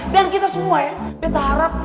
dan kita semua ya beta harap